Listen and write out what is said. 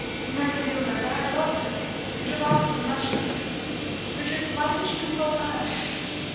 You never knew her, but I loved her and her loss was much to me. Richard, why didn't you consult us?"